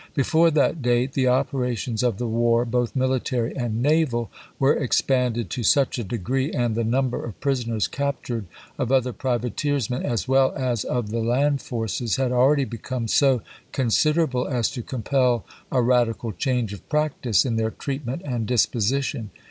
Before that date the opera tions of the war, both military and naval, were expanded to such a degree, and the number of prisoners captured, of other privateersmen, as well as of the land forces, had akeady become so con siderable as to compel a radical change of practice in their treatment and disposition.